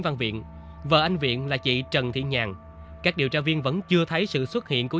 văn viện vợ anh viện là chị trần thị nhàn các điều tra viên vẫn chưa thấy sự xuất hiện của